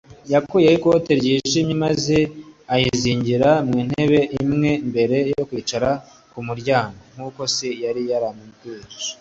Yakuyeho ikote ryijimye maze ayizingira ku ntebe imwe mbere yo kwicara ku muryango, nk'uko se yari yaramwigishije.